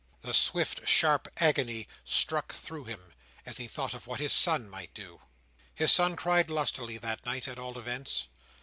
The swift sharp agony struck through him, as he thought of what his son might do. His son cried lustily that night, at all events.